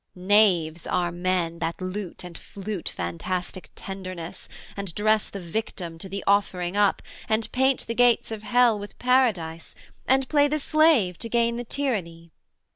Knaves are men, That lute and flute fantastic tenderness, And dress the victim to the offering up, And paint the gates of Hell with Paradise, And play the slave to gain the tyranny.